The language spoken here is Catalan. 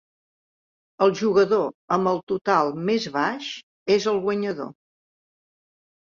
El jugador amb el total més baix és el guanyador.